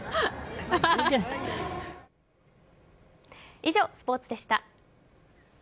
以上、スポーツでした。